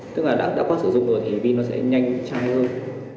tức là đã qua sử dụng rồi thì pin nó sẽ nhanh chai hơn